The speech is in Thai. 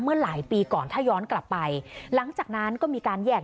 เมื่อหลายปีก่อนถ้าย้อนกลับไปหลังจากนั้นก็มีการแยก